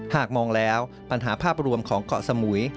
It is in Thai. หากมองแล้วปัญหาภาพรวมของเกาะสมุย